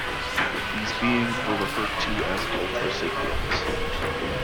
These beings were referred to as "Ultra Sapiens".